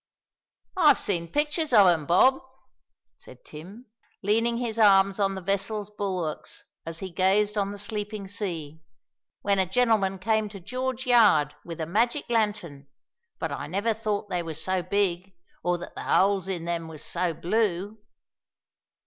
"I've seen pictur's of 'em, Bob," said Tim, leaning his arms on the vessel's bulwarks as he gazed on the sleeping sea, "w'en a gen'l'man came to George Yard with a magic lantern, but I never thought they was so big, or that the holes in 'em was so blue."